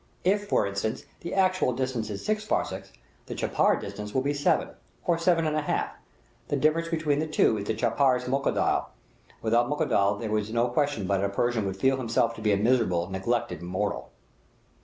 If, for instance, the actual distance is six farsakhs, the "chapar distance" will be seven, or seven and a half; the difference between the two is the chapar jee's modokal; without modokal there is no question but that a Persian would feel himself to be a miserable, neglected mortal.